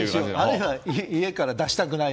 あるいは家から出したくない！